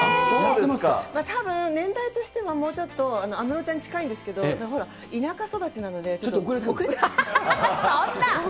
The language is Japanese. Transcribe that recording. たぶん、年代としてはもうちょっと、安室ちゃんに近いんですけど、ほら、田舎育ちなので、遅れてたんです。